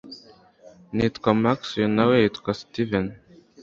nitwa max uyu nawe yitwa steven